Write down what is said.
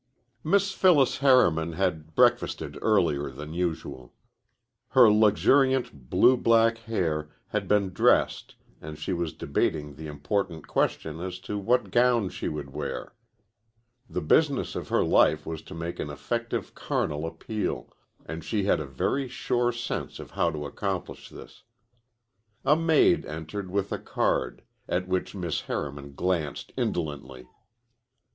Miss Phyllis Harriman had breakfasted earlier than usual. Her luxuriant, blue black hair had been dressed and she was debating the important question as to what gown she would wear. The business of her life was to make an effective carnal appeal, and she had a very sure sense of how to accomplish this. A maid entered with a card, at which Miss Harriman glanced indolently.